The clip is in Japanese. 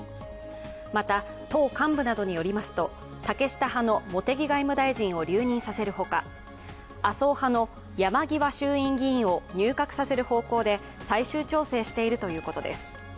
また、党幹部などによりますと、竹下派の茂木外務大臣を留任させるほか麻生派の山際衆院議員を入閣させる方向で最終調整しているということです。